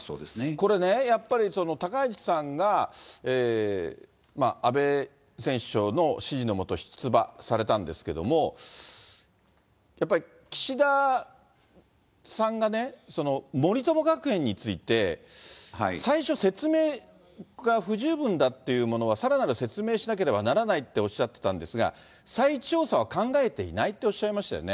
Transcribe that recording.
これね、やっぱり、高市さんが、安倍前首相の支持のもと、出馬されたんですけれども、岸田さんがね、森友学園について最初、説明が不十分だっていうものはさらなる説明しなければならないとおっしゃってたんですが、再調査は考えていないっておっしゃいましたよね。